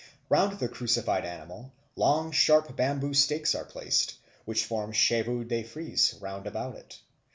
Round the crucified animal long, sharp bamboo stakes are placed, which form chevaux de frise round about it.